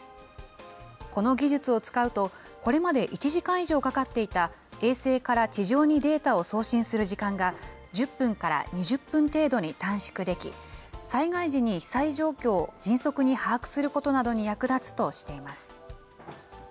この技術を使うと、これまで１時間以上かかっていた衛星から地上にデータを送信する時間が、１０分から２０分程度に短縮でき、災害時に被災状況を迅速に把握することなどに役立つとしています。